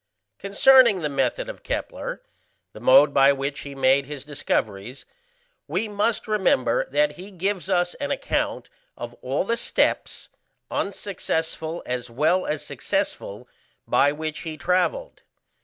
Concerning the method of Kepler, the mode by which he made his discoveries, we must remember that he gives us an account of all the steps, unsuccessful as well as successful, by which he travelled.